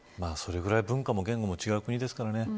それぐらい文化も言語も違う国ですからね。